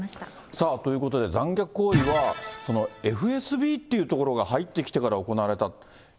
さあ、ということで残虐行為は、ＦＳＢというところが入ってきてから行われた。